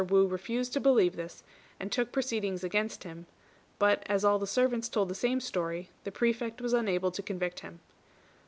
Wu refused to believe this, and took proceedings against him; but as all the servants told the same story, the Prefect was unable to convict him.